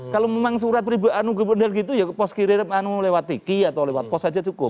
kalau memang surat pribunan gitu ya pos kurir lewat tiki atau lewat pos aja cukup